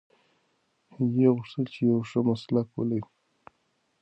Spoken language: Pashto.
هیلې غوښتل چې یو ښه مسلک ولري.